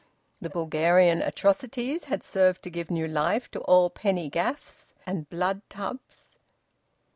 The Bulgarian Atrocities had served to give new life to all penny gaffs and blood tubs.